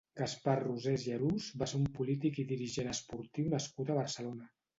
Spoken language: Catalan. Gaspar Rosés i Arús va ser un polític i dirigent esportiu nascut a Barcelona.